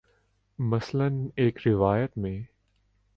مثلا ایک روایت میں